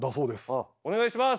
お願いします。